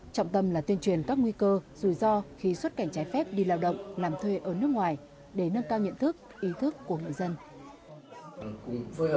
trọng tâm là tuyên truyền các nguy cơ rủi ro khi xuất cảnh trái phép đi lao động làm thuê ở nước ngoài để nâng cao nhận thức ý thức của người dân